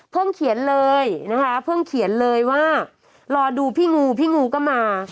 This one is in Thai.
เขียนเลยนะคะเพิ่งเขียนเลยว่ารอดูพี่งูพี่งูก็มา